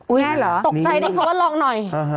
อุ๊ยตกใจดิเขาว่าลองหน่อย